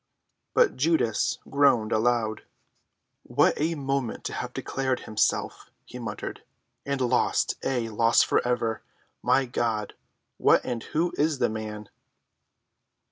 But Judas groaned aloud. "What a moment to have declared himself!" he muttered. "And lost—ay, lost forever. My God! what and who is the man?"